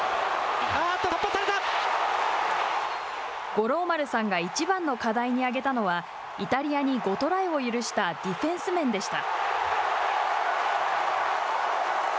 五郎丸さんがいちばんの課題に挙げたのはイタリアに５トライを許したディフェンス面でした。